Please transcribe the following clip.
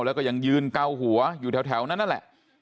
แล้วก็ยังยืนเกาหัวอยู่แถวนั้นนั่นแหละ